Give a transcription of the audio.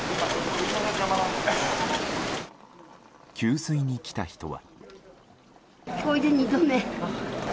給水に来た人は。